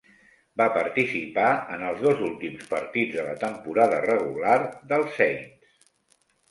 Va participar en els dos últims partits de la temporada regular dels Saints.